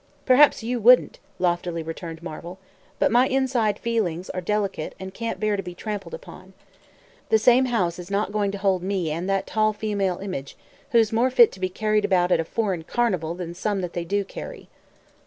"Perhaps you wouldn't," loftily returned Marvel, "but my inside feelings are delicate and can't bear to be trampled upon. The same house is not going to hold me and that tall female image, who's more fit to be carried about at a foreign carnival than some that they do carry."